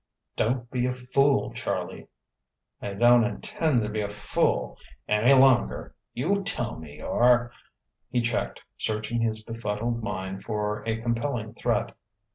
"Don't be a fool, Charlie!" "I don't intend to be fool any longer. You tell me or " He checked, searching his befuddled mind for a compelling threat.